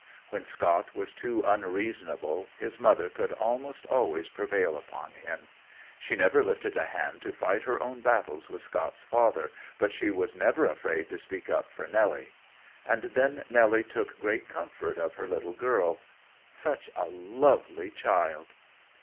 When Scott was too unreasonable, his mother could 'most always prevail upon him. She never lifted a hand to fight her own battles with Scott's father, but she was never afraid to speak up for Nelly. And then Nelly took great comfort of her little girl. Such a lovely child!"